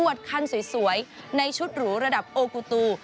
คันสวยในชุดหรูระดับโอกูตู